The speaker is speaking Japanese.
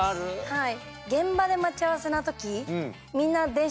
はい。